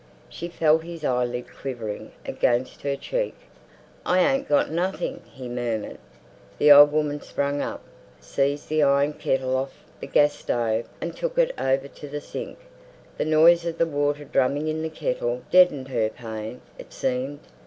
She felt his eyelid quivering against her cheek. "I ain't got nothing," he murmured.... The old woman sprang up, seized the iron kettle off the gas stove and took it over to the sink. The noise of the water drumming in the kettle deadened her pain, it seemed.